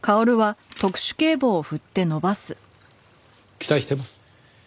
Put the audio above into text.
期待してます。